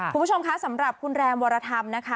คุณผู้ชมคะสำหรับคุณแรมวรธรรมนะคะ